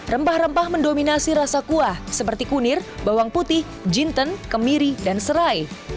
rempah rempah mendominasi rasa kuah seperti kunir bawang putih jinten kemiri dan serai